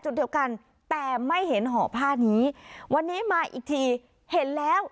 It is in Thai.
จุดเดียวกันแต่ไม่เห็นห่อผ้านี้วันนี้มาอีกทีเห็นแล้ว